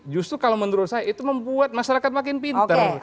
justru kalau menurut saya itu membuat masyarakat makin pinter